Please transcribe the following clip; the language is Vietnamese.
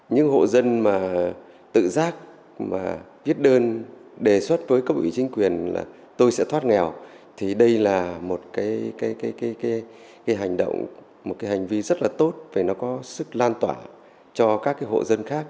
những hộ dân mà tự giác mà viết đơn đề xuất với cấp ủy chính quyền là tôi sẽ thoát nghèo thì đây là một cái hành động một cái hành vi rất là tốt và nó có sức lan tỏa cho các hộ dân khác